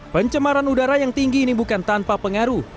pencemaran udara yang tinggi ini bukan tanpa pengaruh